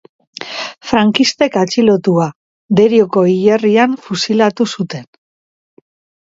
Frankistek atxilotua, Derioko hilerrian fusilatu zuten.